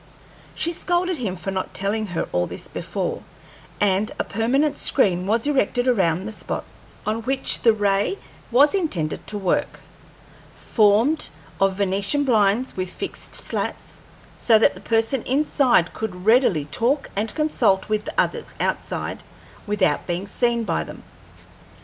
She scolded him for not telling her all this before, and a permanent screen was erected around the spot on which the ray was intended to work, formed of Venetian blinds with fixed slats, so that the person inside could readily talk and consult with others outside without being seen by them.